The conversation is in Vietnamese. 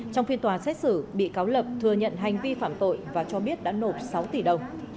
trong phiên tòa xét xử bị cáo lập thừa nhận hành vi phạm tội và cho biết đã nộp sáu tỷ đồng